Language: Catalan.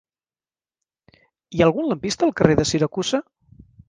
Hi ha algun lampista al carrer de Siracusa?